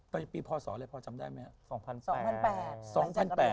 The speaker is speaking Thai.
ไปปีพศอะไรพอจำได้ไหม